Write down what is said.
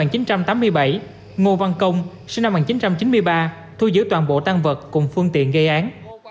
ngô văn công sinh năm một nghìn chín trăm chín mươi ba thu giữ toàn bộ tan vật cùng phương tiện gây án